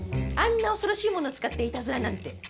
あんな恐ろしいもの使っていたずらなんて。